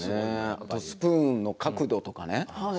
あとスプーンの角度とかね。